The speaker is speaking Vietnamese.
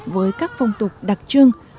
với các phong tục đặc trưng